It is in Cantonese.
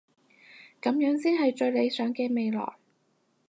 噉樣先係最理想嘅未來